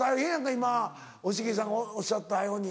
今押切さんがおっしゃったように。